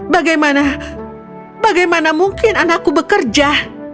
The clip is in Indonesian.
bagaimana bagaimana mungkin anakku bekerja